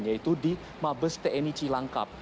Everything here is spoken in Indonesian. yaitu di mabes tni cilangkap